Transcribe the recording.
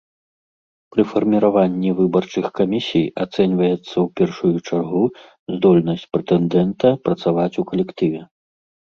Пры фарміраванні выбарчых камісій ацэньваецца ў першую чаргу здольнасць прэтэндэнта працаваць у калектыве.